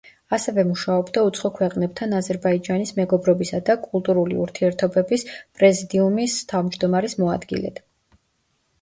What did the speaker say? ასევე მუშაობდა უცხო ქვეყნებთან აზერბაიჯანის მეგობრობისა და კულტურული ურთიერთობების პრეზდიუმის თავმჯდომარის მოადგილედ.